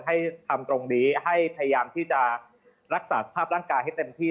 ให้ทำตรงนี้ให้พยายามที่จะรักษาสภาพร่างกายให้เต็มที่